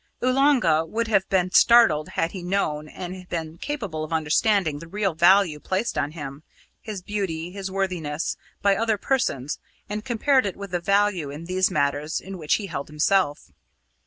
Oolanga would have been startled had he known and been capable of understanding the real value placed on him, his beauty, his worthiness, by other persons, and compared it with the value in these matters in which he held himself.